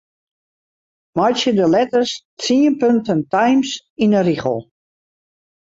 Meitsje de letters tsien punten Times yn 'e rigel.